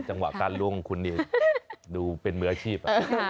จังหวะการล้วงของคุณดูเป็นมืออาชีพ